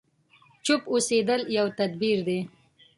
چوپ اوسېدل يو تدبير دی.